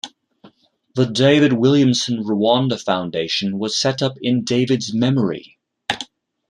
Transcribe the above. The David Williamson Rwanda Foundation was set up in David's memory.